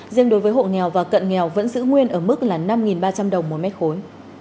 riêng đối với hộ nghèo và cận nghèo vẫn giữ nguyên ở mức là năm ba trăm linh đồng một mét khối